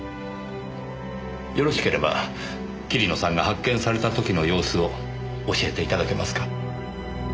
よろしければ桐野さんが発見された時の様子を教えていただけますか。